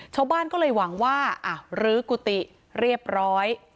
ชาวบ้านก็เลยหวังว่ารื้อกุฏิเรียบร้อย